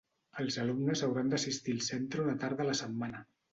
Els alumnes hauran d'assistir al Centre una tarda a la setmana.